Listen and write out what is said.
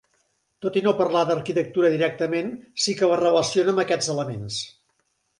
Tot i no parlar d'arquitectura directament sí que la relaciona amb aquests elements.